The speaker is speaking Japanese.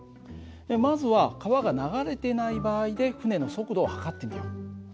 まずは川が流れてない場合で船の速度を測ってみよう。